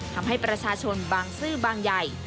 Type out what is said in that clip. ทำให้ประชาชนบางซื่อบางใหญ่